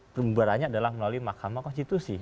pemubarannya adalah melalui makamah konstitusi